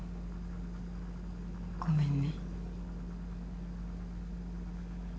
ごめんね。